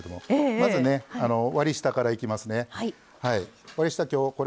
まず、割り下からいきますね。